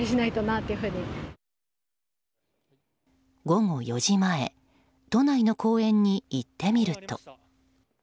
午後４時前都内の公園に行ってみると。